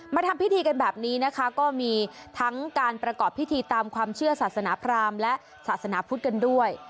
ทำพิธีกันแบบนี้นะคะก็มีทั้งการประกอบพิธีตามความเชื่อศาสนาพรามและศาสนาพุทธกันด้วย